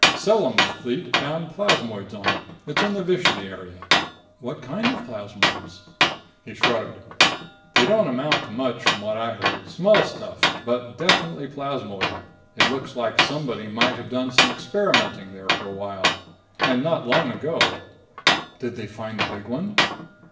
"Selan's Fleet found plasmoids on it. It's in the Vishni area." "What kind of plasmoids?" He shrugged. "They don't amount to much, from what I heard. Small stuff. But definitely plasmoid. It looks like somebody might have done some experimenting there for a while. And not long ago." "Did they find the big one?"